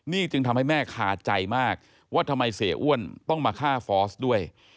นี่จึงทำให้แม่คาใจมากว่าทำไมเสียอ้วนต้องมาฆ่าฟอสด้วย